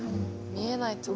見えないとこに。